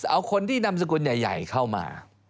เอาคนที่นำสกุลใหญ่เข้ามา